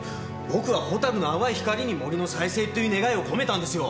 僕はホタルの淡い光に森の再生っていう願いを込めたんですよ。